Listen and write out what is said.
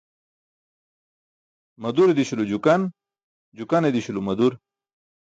Madure di̇śulo jukan, jukane di̇śulo madur.